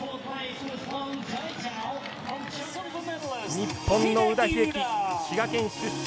日本の宇田秀生滋賀県出身